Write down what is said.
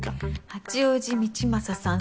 八王子道正さん